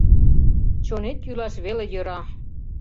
Чонет йӱлаш веле йӧра.